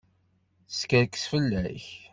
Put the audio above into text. Teskerkes fell-ak.